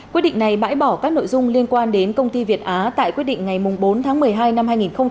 quyết định này bãi bỏ các nội dung liên quan đến công ty việt á tại quyết định ngày bốn tháng một mươi hai năm hai nghìn một mươi ba